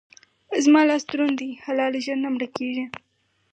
زما لاس دروند دی؛ حلاله ژر مړه نه کېږي.